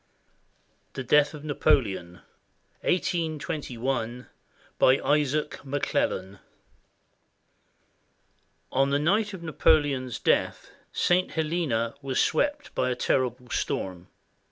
THE DEATH OF NAPOLEON BY ISAAC McLELLAN [On the night of Napoleon's death, St. Helena was swept by a terrible storm.